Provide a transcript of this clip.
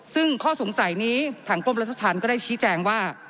ซึ่งข้อสงสัยนี้ทางกรมรัชธรรมก็ได้ชี้แจงว่า